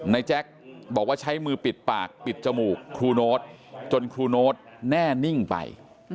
แจ็คบอกว่าใช้มือปิดปากปิดจมูกครูโน๊ตจนครูโน๊ตแน่นิ่งไป